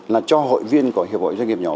là cho hội viên của hiệp hội doanh nghiệp nhỏ